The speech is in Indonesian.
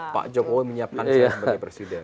pak jokowi menyiapkan saya sebagai presiden